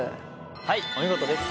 はいお見事です。